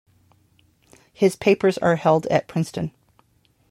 His papers are held at Princeton.